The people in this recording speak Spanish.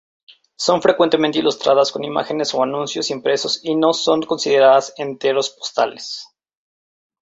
Son frecuentemente ilustradas con imágenes o anuncios impresos y "no" son consideradas enteros postales.